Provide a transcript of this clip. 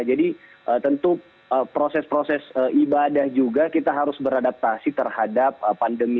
tentu proses proses ibadah juga kita harus beradaptasi terhadap pandemi